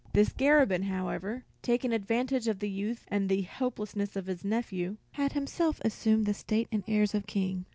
This Garabin, however, taking advantage of the youth and helplessness of his nephew, had himself assumed the state and airs of king.